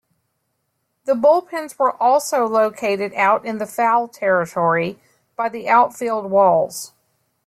The bullpens were also located out in the foul territory by the outfield walls.